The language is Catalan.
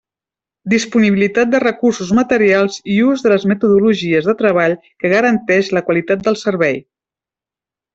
Disponibilitat de recursos materials i ús de les metodologies de treball que garanteix la qualitat del servei.